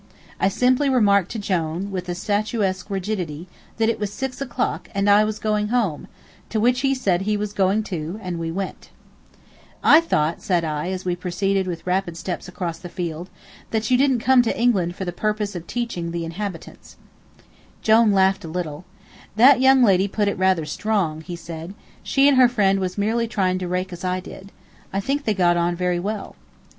I simply remarked to Jone, with a statuesque rigidity, that it was six o'clock and I was going home; to which he said he was going too, and we went. [Illustration: "THERE, WITH THE BAR LADY AND THE MARIE ANTOINETTE CHAMBERMAID, WAS JONE"] "I thought," said I, as we proceeded with rapid steps across the field, "that you didn't come to England for the purpose of teaching the inhabitants." Jone laughed a little. "That young lady put it rather strong," he said. "She and her friend was merely trying to rake as I did. I think they got on very well."